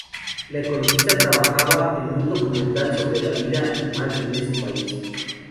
La ecologista trabajaba en un documental sobre la vida animal en ese país.